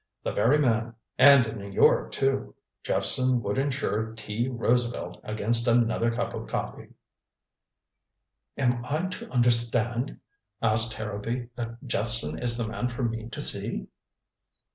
"The very man and in New York, too. Jephson would insure T. Roosevelt against another cup of coffee." "Am I to understand," asked Harrowby, "that Jephson is the man for me to see?"